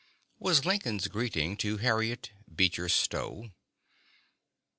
was Lincoln's greeting to Harriet Beecher Stowe.